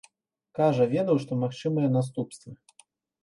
Кажа, ведаў, што магчымыя наступствы.